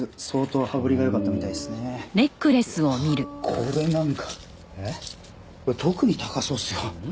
これなんか特に高そうっすよ。